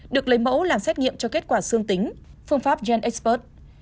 được lấy mẫu làm xét nghiệm cho kết quả xương tính phương pháp genexpert